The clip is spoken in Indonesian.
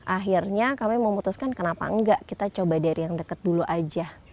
akhirnya kami memutuskan kenapa enggak kita coba dari yang dekat dulu aja